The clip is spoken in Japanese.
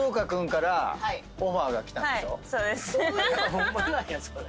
ホンマなんやそれ。